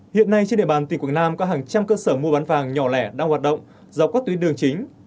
hiện nay trên địa bàn tỉnh quảng nam có hàng trăm cơ sở mua bán vàng nhỏ lẻ đang hoạt động dọc các tuyến đường chính